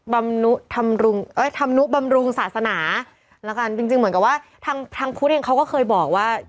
บำนุธรรมรุงเอ่ยธรรมนุษย์บำรุงศาสนาแล้วกันอีกจึงเหมือนกับว่าทังทางพุทธเดินเขาก็เขาเคยบอกว่า